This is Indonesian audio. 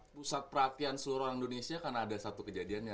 pusat perhatian seluruh orang indonesia karena ada satu kejadiannya